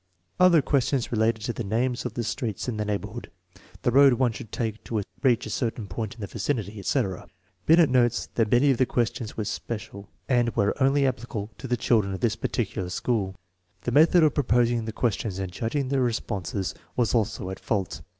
Other questions related to the names of the streets in the neighborhood, the road one should take to reach a certain point in the vicinity, etc. Binet notes I hat many of the questions were special, and were only applicable with the children of this particular school. The method of proposing the questions and judging the responses was also at fault.